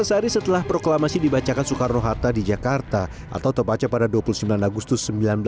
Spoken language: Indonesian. lima belas hari setelah proklamasi dibacakan soekarno hatta di jakarta atau tepatnya pada dua puluh sembilan agustus seribu sembilan ratus empat puluh